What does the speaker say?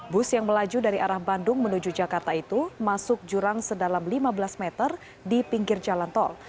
bus yang melaju dari arah bandung menuju jakarta itu masuk jurang sedalam lima belas meter di pinggir jalan tol